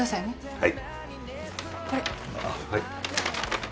はい。